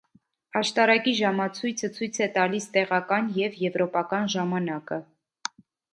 Աշտարակի ժամացույցը ցույց է տալիս տեղական և եվրոպական ժամանակը։